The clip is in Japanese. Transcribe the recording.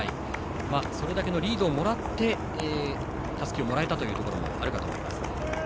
それだけのリードをもらってたすきをもらえたというところもあるかと思いますが。